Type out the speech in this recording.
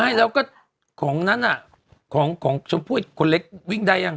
ไม่แล้วก็ของนั้นน่ะของชมพู่คนเล็กวิ่งได้ยัง